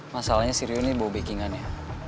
masalahnya si rio ini bawa backingannya